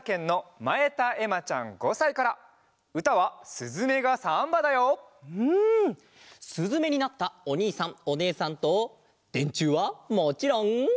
すずめになったおにいさんおねえさんとでんちゅうはもちろん。